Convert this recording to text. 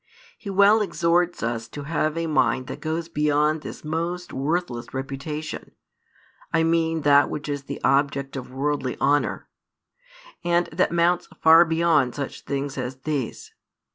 He well exhorts us to have a mind that goes beyond this most worthless reputation I mean that which is the object of worldly honour and that mounts far beyond such things as these.